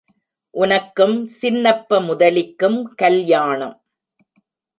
உனக்கும் சின்னப்ப முதலிக்கும் கல்யாணம்!